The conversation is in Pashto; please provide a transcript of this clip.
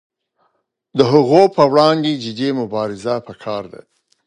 د هغو پر وړاندې جدي مبارزه پکار ده.